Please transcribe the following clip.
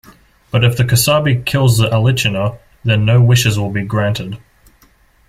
But if the kusabi kills the alichino, then no wishes will be granted.